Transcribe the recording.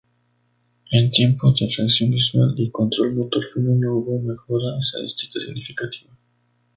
En tiempo de reacción visual y control motor fino no hubo mejora estadística significativa.